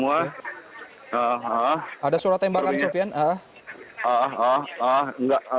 ada surat tembakan sofian